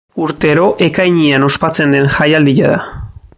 Urtero ekainean ospatzen den jaialdia da.